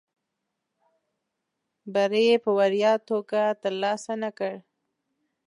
بری یې په وړیا توګه ترلاسه نه کړ.